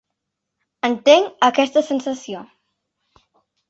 Entenc aquesta sensació.